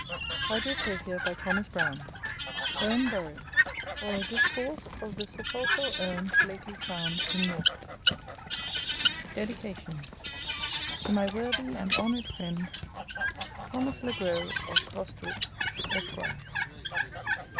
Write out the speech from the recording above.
HYDRIOTAPHIA. URN BURIAL; OR, A DISCOURSE OF THE SEPULCHRAL URNS LATELY FOUND IN NORFOLK. TO MY WORTHY AND HONOURED FRIEND, THOMAS LE GROS, OF CROSTWICK, ESQUIRE.